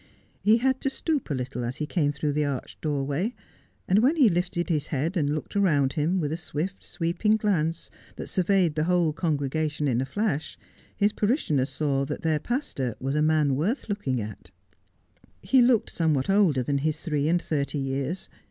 He had to stoop a little as he came through the arched doorway ; and when he lifted his head and looked round him with a swift sweeping glance that surveyed the whole congregation in a llash, his parishioners saw that their pastor was a man worth looki \g at. He looked somewhat olde^ than his three and thirty years.